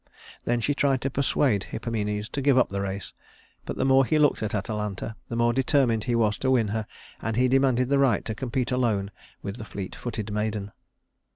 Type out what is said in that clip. " Then she tried to persuade Hippomenes to give up the race; but the more he looked at Atalanta, the more determined he was to win her, and he demanded the right to compete alone with the fleet footed maiden.